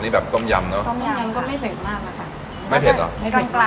นี่แบบต้มยำเนอะต้มยำก็ไม่เผ็ดมากอะค่ะไม่เผ็ดเหรอ